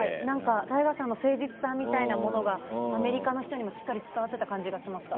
ＴＡＩＧＡさんの誠実さみたいなものがアメリカの人にもしっかり伝わっていた感じがしました。